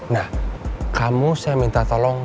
nah kamu saya minta tolong